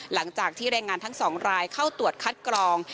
หลังจากที่แรงงานทั้ง๒รายเข้าตรวจคัดกรอง